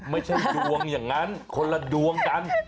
ไม่ใช่ดวงอย่างนั้นคนละดวงกัน